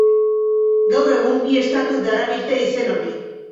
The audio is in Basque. Gaur egun, bi estatuk darabilte izen hori.